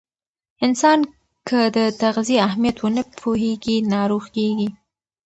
انسان که د تغذیې اهمیت ونه پوهیږي، ناروغ کیږي.